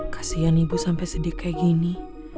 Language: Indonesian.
kasian ibu sampai sedih kayak gini